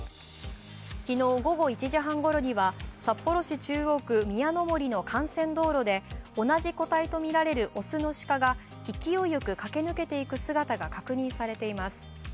昨日、午後１時半ごろには札幌市中央区宮の森の幹線道路で、同じ個体とみられる雄の鹿が勢いよく駆け抜けていく姿が確認されています